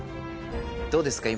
どうですか？